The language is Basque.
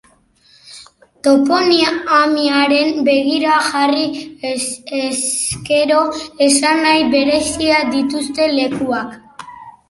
Toponimiari begira jarri ezkero esanahi bereziak dituzten lekuak.